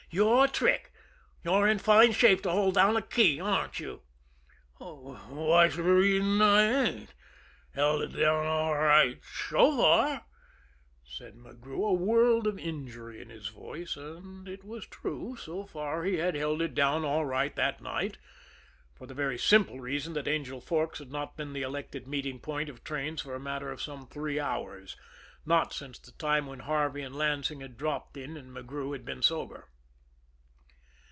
"Your trick! You're in fine shape to hold down a key, aren't you!" "Whash reason I ain't? Held it down all right, so far," said McGrew, a world of injury in his voice and it was true; so far he had held it down all right that night, for the very simple reason that Angel Forks had not been the elected meeting point of trains for a matter of some three hours, not since the time when Harvey and Lansing had dropped in and McGrew had been sober.